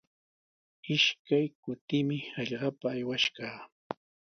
Ishkay kutimi hallqapa aywash kaa.